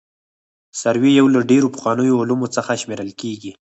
سروې یو له ډېرو پخوانیو علومو څخه شمېرل کیږي